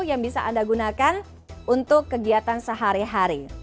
yang bisa anda gunakan untuk kegiatan sehari hari